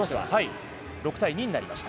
６対２になりました。